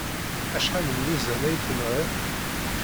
Acḥal n yizan ay tenɣiḍ?